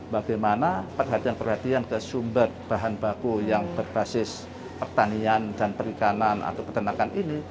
bagaimana perhatian perhatian ke sumber bahan baku yang berbasis pertanian dan perikanan atau peternakan ini